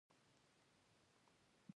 دا یو وړوکی خو عصري سټور و.